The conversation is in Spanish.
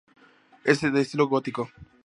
Es de estilo gótico.